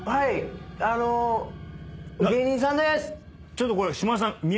ちょっとこれ島田さん見えます？